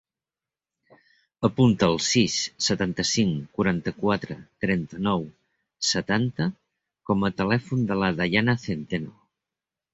Apunta el sis, setanta-cinc, quaranta-quatre, trenta-nou, setanta com a telèfon de la Dayana Centeno.